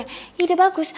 ini udah bagus